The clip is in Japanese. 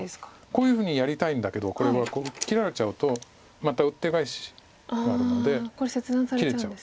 こういうふうにやりたいんだけどこれは切られちゃうとまたウッテガエシがあるので切れちゃう。